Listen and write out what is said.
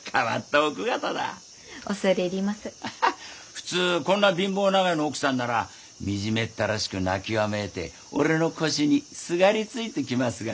普通こんな貧乏長屋の奥さんなら惨めったらしく泣きわめいて俺の腰にすがりついてきますがね。